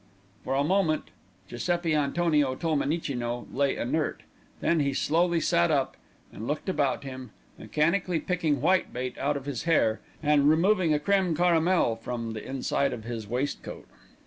For a moment Giuseppi Antonio Tolmenicino lay inert, then he slowly sat up and looked about him, mechanically picking whitebait out of his hair, and removing a crème caramel from the inside of his waistcoat.